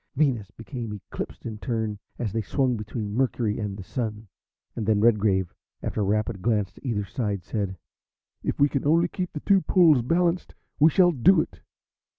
Venus became eclipsed in turn as they swung between Mercury and the Sun, and then Redgrave, after a rapid glance to either side, said: "If we can only keep the two pulls balanced we shall do it.